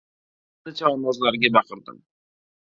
O‘zimizning chavandozlarga baqirdim: